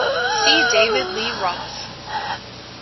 See David Lee Roth.